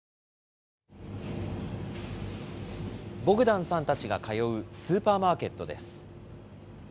ボグダンさんたちが通うスーパーマーケットです。